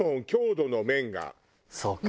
そうか。